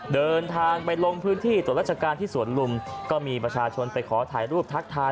เดินทางไปลงพื้นที่ตรวจราชการที่สวนลุมก็มีประชาชนไปขอถ่ายรูปทักทาย